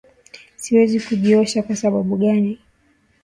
Siwezi kujiosha kwa sababu gani.